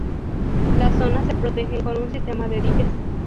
Las zonas se protegen con un sistema de diques.